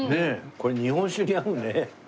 これ日本酒に合うね。